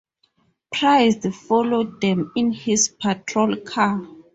Price followed them in his patrol car.